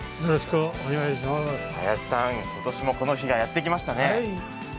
林さん、今年もこの日がやって来ましたね。